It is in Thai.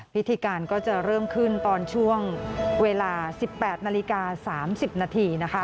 พิธีการก็จะเริ่มขึ้นตอนช่วงเวลา๑๘นาฬิกา๓๐นาทีนะคะ